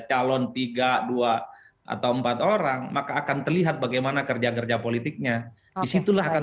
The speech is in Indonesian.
calon tiga dua atau empat orang maka akan terlihat bagaimana kerja kerja politiknya disitulah akan